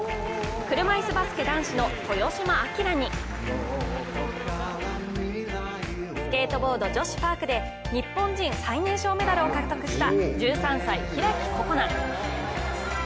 車いすバスケ男子の豊島英にスケートボード女子パークで日本人最年少メダルを獲得した１３歳、開心那。